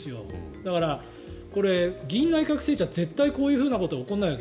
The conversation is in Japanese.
だから、これ議院内閣制じゃ絶対こういうことは起こらないわけ。